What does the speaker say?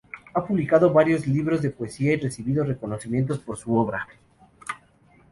Ha publicado varios libros de poesía y recibido reconocimientos por su obra.